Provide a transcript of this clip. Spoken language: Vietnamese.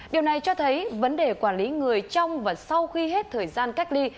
điều này cho thấy vấn đề quản lý người trong và sau khi hết thời gian cách ly